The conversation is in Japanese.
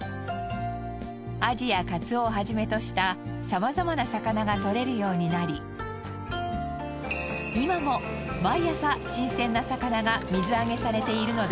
アジやカツオをはじめとしたさまざまな魚が獲れるようになり今も毎朝新鮮な魚が水揚げされているのです。